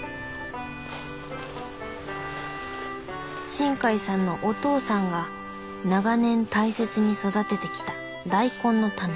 新海さんのお父さんが長年大切に育ててきた大根のタネ。